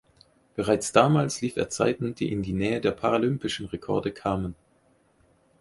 Bereits damals lief er Zeiten, die in die Nähe der paralympischen Rekorde kamen.